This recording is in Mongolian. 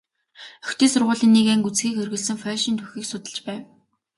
Охидын сургуулийн нэг анги үзэхийг хориглосон польшийн түүхийг судалж байв.